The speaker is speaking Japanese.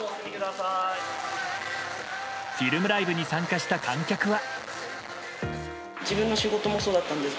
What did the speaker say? フィルムライブに参加した観客は。